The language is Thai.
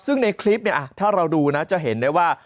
ซึ่งในคลิปเนี่ยถ้าเราดูนะจะเห็นได้ว่า